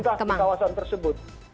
yang melintas di kawasan tersebut